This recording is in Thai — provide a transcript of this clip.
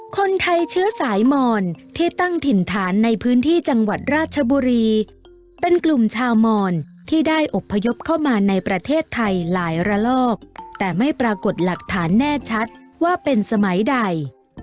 คนไทยเชื้อสายมอนที่ตั้งถิ่นฐานในพื้นที่จังหวัดราชบุรีเป็นกลุ่มชาวมอนที่ได้อบพยพเข้ามาในประเทศไทยหลายระลอกแต่ไม่ปรากฏหลักฐานแน่ชัดว่าเป็นสมัยใด